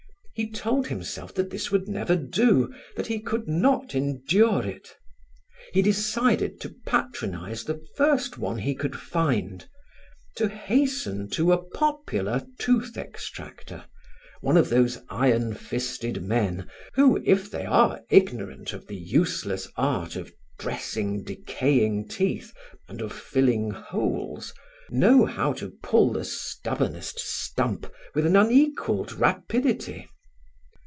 He told himself that this would never do, that he could not endure it. He decided to patronize the first one he could find, to hasten to a popular tooth extractor, one of those iron fisted men who, if they are ignorant of the useless art of dressing decaying teeth and of filling holes, know how to pull the stubbornest stump with an unequalled rapidity.